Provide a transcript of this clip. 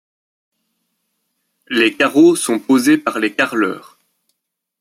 Les carreaux sont posés par les carreleurs.